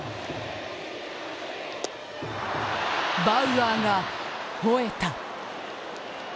バウアーがほえた！